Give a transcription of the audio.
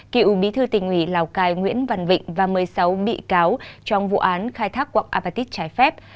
cựu bí thư tỉnh ủy lào cai nguyễn văn vịnh và một mươi sáu bị cáo trong vụ án khai thác quạng apatit trái phép